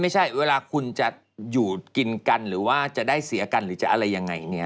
เวลาคุณจะอยู่กินกันหรือว่าจะได้เสียกันหรือจะอะไรยังไงเนี่ย